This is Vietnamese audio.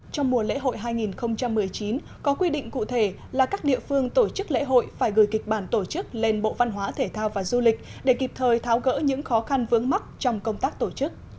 trong mùa lễ hội hai nghìn một mươi chín có quy định cụ thể là các địa phương tổ chức lễ hội phải gửi kịch bản tổ chức lên bộ văn hóa thể thao và du lịch để kịp thời tháo gỡ những khó khăn vướng mắt trong công tác tổ chức